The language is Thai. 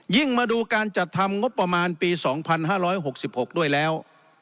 มาดูการจัดทำงบประมาณปี๒๕๖๖ด้วยแล้ว